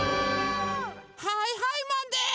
はいはいマンです！